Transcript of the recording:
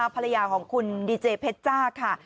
ภรรยาของคุณดีเจเพชรจ้าค่ะ